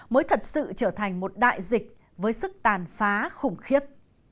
mới thật sự trở thành một đại dịch với sức tàn phá khủng khiếp